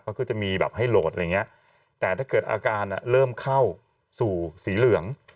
เขาก็จะมีแบบให้โหลดอะไรอย่างเงี้ยแต่ถ้าเกิดอาการเริ่มเข้าสู่สีเหลือง